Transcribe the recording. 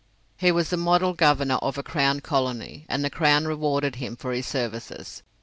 He was the model Governor of a Crown colony, and the Crown rewarded him for his services.